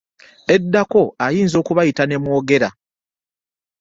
Eddako ayinza okubayita ne mwogera.